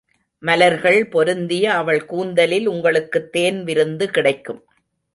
மலர்கள் பொருந்திய அவள் கூந்தலில் உங்களுக்குத் தேன் விருந்து கிடைக்கும்.